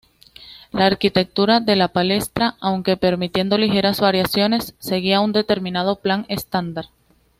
La arquitectura de la palestra, aunque permitiendo ligeras variaciones, seguía un determinado plan estándar.